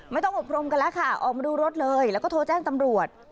อบรมกันแล้วค่ะออกมาดูรถเลยแล้วก็โทรแจ้งตำรวจ